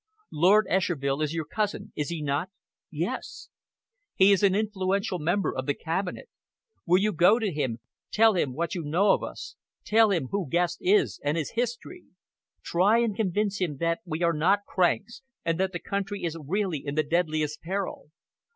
"Lord Esherville is your cousin, is he not?" "Yes!" "He is an influential member of the Cabinet. Will you go to him, tell him what you know of us, tell him who Guest is and his history? Try and convince him that we are not cranks, and that the country is really in the deadliest peril.